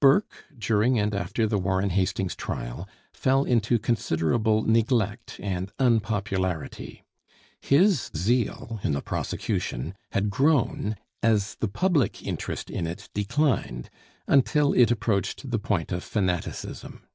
Burke, during and after the Warren Hastings trial, fell into considerable neglect and unpopularity. His zeal in the prosecution had grown as the public interest in it declined, until it approached the point of fanaticism.